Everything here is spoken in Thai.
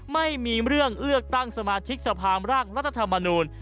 ไม่มีเรื่องเลือกตั้งสมาชิกสภาร่างรัฐธรรมนูล